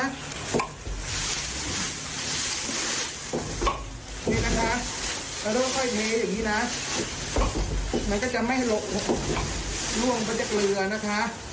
นี่นะคะเราต้องค่อยเทอย่างนี้นะมันก็จะไม่ล่วงไปจากเกลือนะคะ